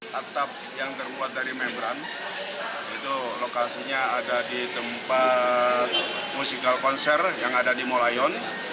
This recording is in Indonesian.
tatap yang terbuat dari membran itu lokasinya ada di tempat musikal konser yang ada di morayon